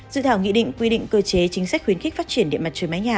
dự thảo nghị định quy định cơ chế chính sách khuyến khích phát triển điện mặt trời mái nhà